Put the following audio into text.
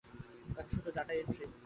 এখন শুধু data entry.